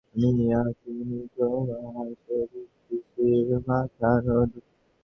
আমার প্রত্যাশা, সামনে অসাধারণ কোনো ছবিতে আমাদের একসঙ্গে কাজ করার সুযোগ আসবে।